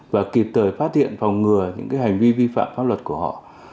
và kịp thời phát hiện phòng ngừa những hành vi vi phạm pháp luật của họ